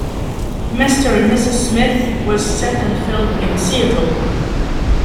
"Mr. and Mrs. Smith" was set and filmed in Seattle.